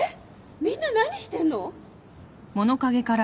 みんな何してんの！？